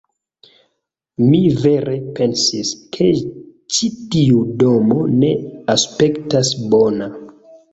Mi vere pensis, ke ĉi tiu domo ne aspektas bona